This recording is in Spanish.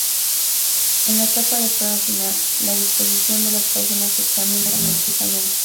En la etapa de prueba final, la disposición de las páginas se examina minuciosamente.